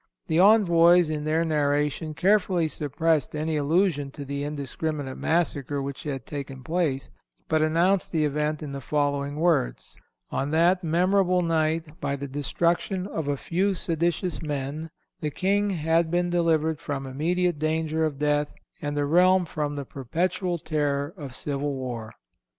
The envoys, in their narration, carefully suppressed any allusion to the indiscriminate massacre which had taken place, but announced the event in the following words: On that "memorable night, by the destruction of a few seditious men, the King had been delivered from immediate danger of death, and the realm from the perpetual terror of civil war."